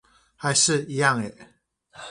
還是一樣欸